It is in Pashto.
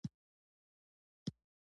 بغارې ډېرې سختې وې چې پوښتنه مکوه له حاله.